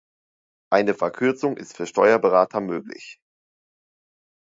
Eine Verkürzung ist für Steuerberater möglich.